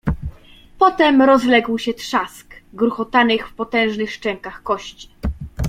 Potem rozległ się trzask gruchotanych w potężnych szczękach kości.